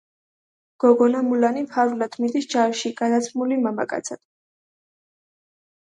გოგონა მულანი ფარულად მიდის ჯარში, გადაცმული მამაკაცად.